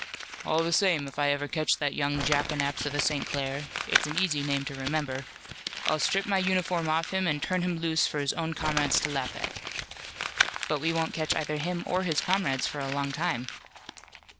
"All the same, if I ever catch that young jackanapes of a St. Clair it's an easy name to remember I'll strip my uniform off him and turn him loose for his own comrades to laugh at." "But we won't catch either him or his comrades for a long time."